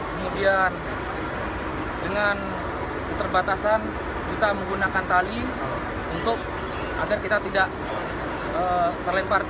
kemudian dengan keterbatasan kita menggunakan tali untuk agar kita tidak terlempar